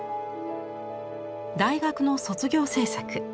大学の卒業制作。